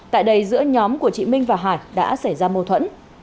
tại đây giữa nhóm của chị minh và hải đã xảy ra